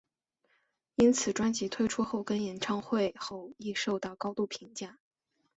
因此专辑推出跟演唱会后亦受到高度评价。